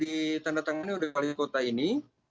diberi nasihat yang diberikan oleh kota ini